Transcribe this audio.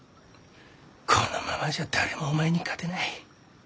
このままじゃ誰もお前に勝てない。